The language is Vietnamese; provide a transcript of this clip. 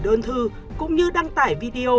đơn thư cũng như đăng tải video